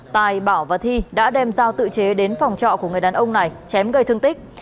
tài bảo và thi đã đem giao tự chế đến phòng trọ của người đàn ông này chém gây thương tích